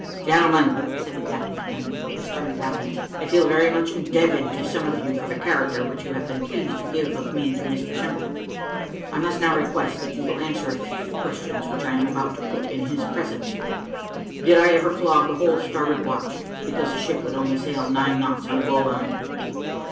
"Gentlemen," said the captain to them, with a stern countenance, "I feel very much indebted to some of you for the character which you have been pleased to give of me to Mr Simple. I must now request that you will answer a few questions which I am about to put in his presence. Did I ever flog the whole starboard watch, because the ship would only sail nine knots on a bowline!"